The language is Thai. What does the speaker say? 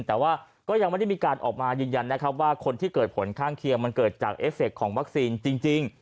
แต่ว่าก็ยังไม่ได้มีการออกมายืนยันนะครับว่าคนที่เกิดผลข้างเคียงมันเกิดจากเอฟเคของวัคซีนจริง